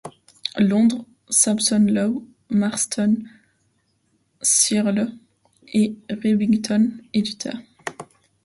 Londres, Sampson Low, Marston, Searle et Revington, éditeurs.